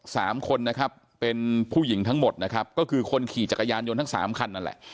สามคนนะครับเป็นผู้หญิงทั้งหมดนะครับก็คือคนขี่จักรยานยนต์ทั้งสามคันนั่นแหละ